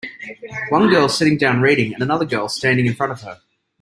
One girl sitting down reading and another girl standing in front of her.